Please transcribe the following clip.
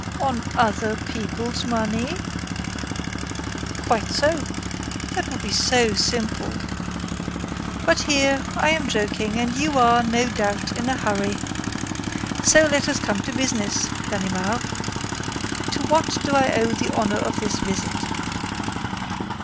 "On other people's money." "Quite so. That would be so simple. But here, I am joking, and you are, no doubt, in a hurry. So let us come to business, Ganimard. To what do I owe the honor of this visit?